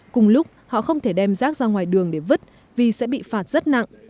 cùng lúc họ không thể đem rác ra ngoài đường để vứt vì sẽ bị phạt rất nặng